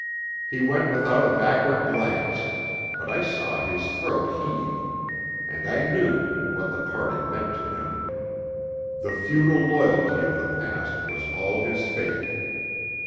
He went without a backward glance; but I saw his throat heave, and I knew what the parting meant to him. The feudal loyalty of the past was all his faith.